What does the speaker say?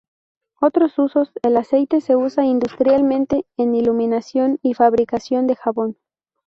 Otros usos: El aceite se usa industrialmente en iluminación y fabricación de jabón.